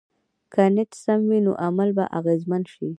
که نیت سم وي، نو عمل به اغېزمن شي.